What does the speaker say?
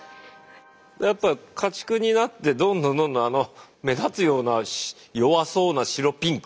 やっぱり家畜になってどんどんどんどんあの目立つような弱そうな白ピンク。